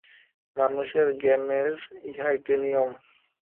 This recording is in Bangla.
মানুষের জ্ঞানের ইহা একটি নিয়ম।